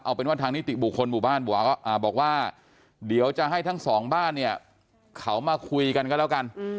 เอาเป็นว่าทางนิติบุคคลหมู่บ้านบอกว่าเดี๋ยวจะให้ทั้งสองบ้านเนี่ยเขามาคุยกันก็แล้วกัน